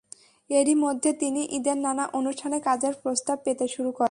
এরই মধ্যে তিনি ঈদের নানা অনুষ্ঠানে কাজের প্রস্তাব পেতে শুরু করেন।